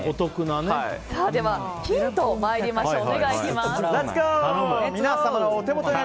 では、ヒントに参りましょう。